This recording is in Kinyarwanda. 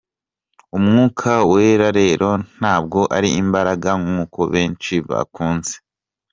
Umwuka Wera rero ntabwo ari imbaraga nkuko benshi bakunze.